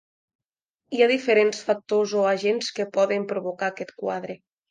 Hi ha diferents factors o agents que poden provocar aquest quadre.